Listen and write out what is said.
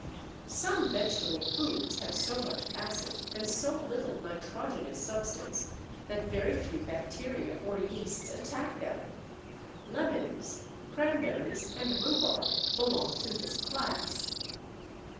Some vegetable foods have so much acid and so little nitrogenous substance that very few bacteria or yeasts attack them. Lemons, cranberries, and rhubarb belong to this class.